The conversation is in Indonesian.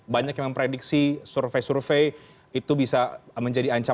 banyak yang memprediksi survei survei itu bisa menjadi ancaman